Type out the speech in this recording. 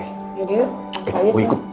ya udah yaudah